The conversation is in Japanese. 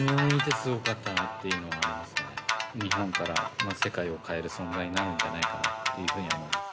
その相手は人気グループ存在になるんじゃないかなっていうふうに思います。